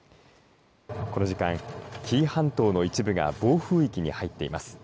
この時間、紀伊半島の一部が暴風域に入っています。